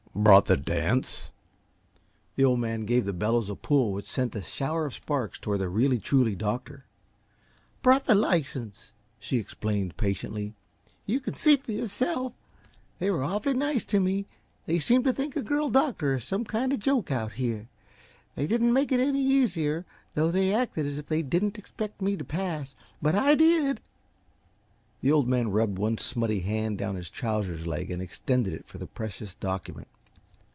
"Brought the dance?" The Old Man gave the bellows a pull which sent a shower of sparks toward the really, truly doctor. "Brought the license," she explained, patiently. "You can see for yourself. They were awfully nice to me they seemed to think a girl doctor is some kind of joke out here. They didn't make it any easier, though; they acted as if they didn't expect me to pass but I did!" The Old Man rubbed one smutty hand down his trousers leg and extended it for the precious document.